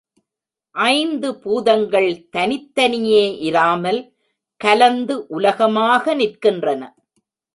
ஐந்து பூதங்கள் தனித்தனியே இராமல், கலந்து உலகமாக நிற்கின்றன.